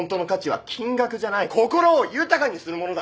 心を豊かにするものだ！